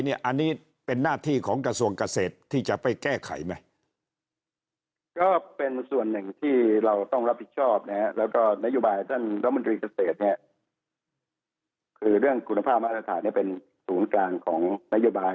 สรุปสร้างมาตรฐานเป็นศูนย์กลางของนัยยุบาย